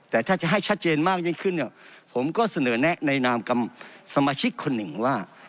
แต่ถ้าจะให้ชัดเจนมากยิ่งขึ้นเนี่ยผมก็เสนอแนะในนามกับสมาชิกคนหนึ่งว่า